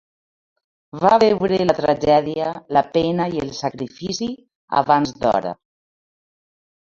Va veure la tragèdia, la pena i el sacrifici abans d'hora.